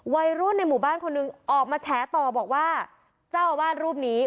วัยรุ่นในหมู่บ้านคนหนึ่งออกมาแฉต่อบอกว่าเจ้าอาวาสรูปนี้